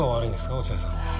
落合さん。